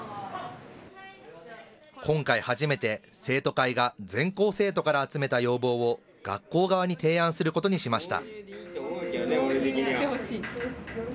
今回、初めて生徒会が全校生徒から集めた要望を学校側に提案することにしました。